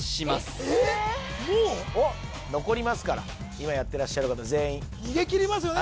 今やってらっしゃる方全員逃げ切りますよね